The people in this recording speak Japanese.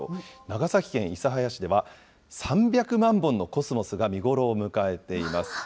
長崎県諫早市では、３００万本のコスモスが見頃を迎えています。